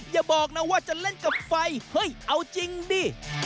อย่าบอกนะว่าจะเล่นกับไฟเฮ้ยเอาจริงดิ